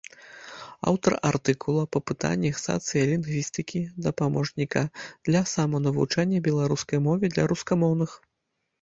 Аўтар артыкулаў па пытаннях сацыялінгвістыкі, дапаможніка для саманавучання беларускай мове для рускамоўных.